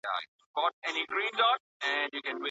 د سیاسي ډیپلوماسۍ له لوري د خلګو غږ نه اورېدل کیږي.